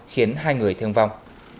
khiến hai người thương vong